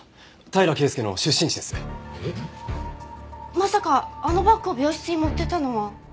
まさかあのバッグを病室に持っていったのは。